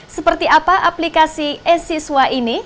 seperti apa aplikasi e siswa ini